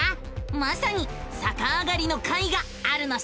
まさにさかあがりの回があるのさ！